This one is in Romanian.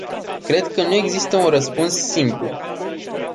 Cred că nu există un răspuns simplu.